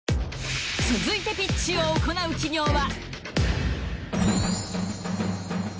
続いてピッチを行う企業は。